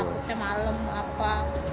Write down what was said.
takutnya malem apa